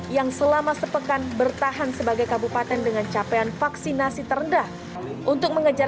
yang selama sepekan bertahan sebagai kabupaten dengan capaian vaksinasi terendah untuk mengejar